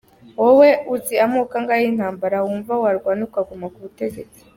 Wowe uzi amoko angahe y’intambara wumva warwana ukaguma kubutetsi?